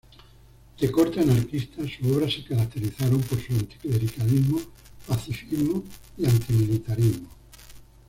De corte anarquista, sus obras se caracterizaron por su anticlericalismo, pacifismo y antimilitarismo.